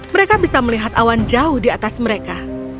mereka bisa melihat awan jauh di atas mereka